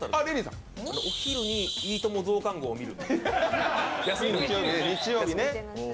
お昼に「いいとも！増刊号」を見る。